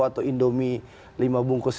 atau indomie lima bungkus